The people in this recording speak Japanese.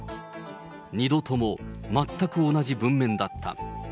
２度ともまったく同じ文面だった。